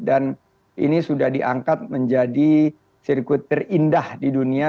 dan ini sudah diangkat menjadi sirkuit terindah di dunia